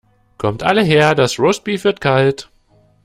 Kommt alle her das Roastbeef wird kalt.